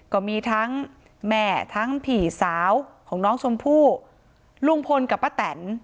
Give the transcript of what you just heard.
ก็มีทั้งแม่ทั้งพี่สาวของน้องชมพู่ลุงพลกับป้าแตน